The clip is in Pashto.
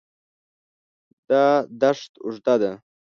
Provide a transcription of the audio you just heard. دا دښت اوږده ده.